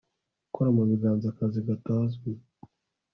gukora mu ibanga akazi gatazwi